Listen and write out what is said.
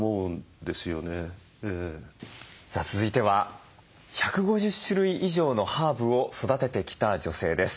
さあ続いては１５０種類以上のハーブを育ててきた女性です。